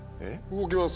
動きます。